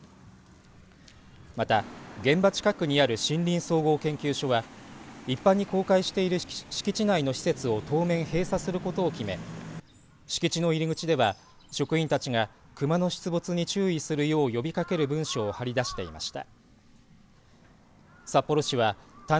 また、現場近くにある森林総合研究所は一般に公開している敷地内の施設を当面、閉鎖することを決め敷地の入り口では、職員たちが熊の出没に注意するよう呼びかける文書を張り出していました。